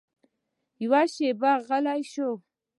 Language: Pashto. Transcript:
يوه شېبه غلى سو.